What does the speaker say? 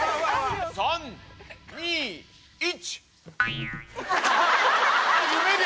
３・２・１！